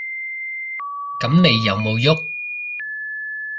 噉你有無郁？